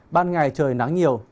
ban ngày trời nắng nhiều